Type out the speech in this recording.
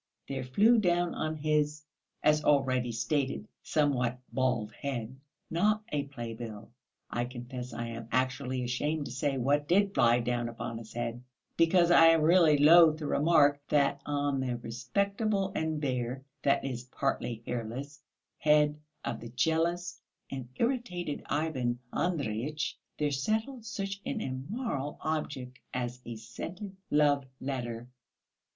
There flew down on his as already stated, somewhat bald head, not a playbill; I confess I am actually ashamed to say what did fly down upon his head, because I am really loath to remark that on the respectable and bare that is, partly hairless head of the jealous and irritated Ivan Andreyitch there settled such an immoral object as a scented love letter.